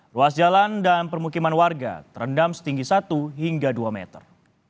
ruas jalan dan permukiman warga terendam setinggi satu hingga dua meter